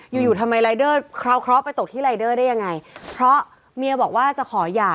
อยู่อยู่ทำไมรายเดอร์คราวเคราะห์ไปตกที่รายเดอร์ได้ยังไงเพราะเมียบอกว่าจะขอหย่า